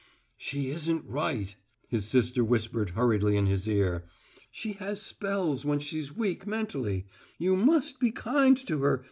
"She isn't quite right," his sister whispered hurriedly in his ear. "She has spells when she's weak mentally. You must be kind to her.